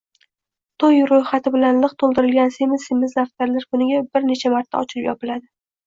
Toʻy roʻyxati bilan liq toʻldirilgan semiz-semiz daftarlar kuniga bir necha marta ochilib-yopiladi